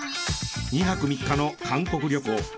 ２泊３日の韓国旅行！